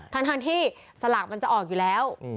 ทั้งที่สลากมันจะออกอยู่แล้ว